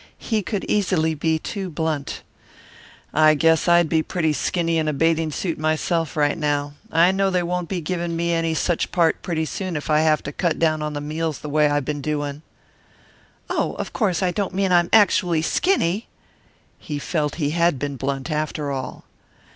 He could easily be too blunt. "I guess I'd be pretty skinny in a bathing suit myself, right now. I know they won't be giving me any such part pretty soon if I have to cut down on the meals the way I been doing." "Oh, of course I don't mean I'm actually skinny " He felt he had been blunt, after all.